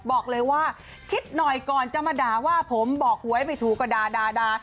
บอกเลยว่าคิดหน่อยก่อนจะมาด่าว่าผมบอกหวยไม่ถูกก็ด่า